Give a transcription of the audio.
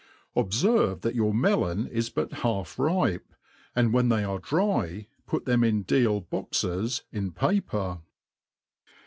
Obferve that your melon is but half ripe, and when they are dry put them in deal boxes in paper.